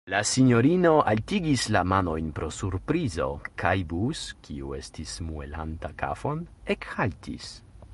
La sinjorino altigis la manojn pro surprizo, kaj Bus, kiu estis muelanta kafon, ekhaltis.